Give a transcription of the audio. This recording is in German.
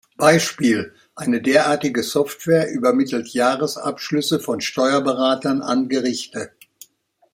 Beispiel: Eine derartige Software übermittelt Jahresabschlüsse von Steuerberatern an Gerichte.